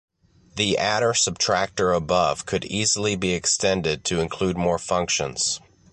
The adder-subtractor above could easily be extended to include more functions.